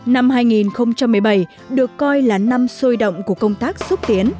năm hai nghìn một mươi bảy được coi là năm sôi động của công tác xúc tiến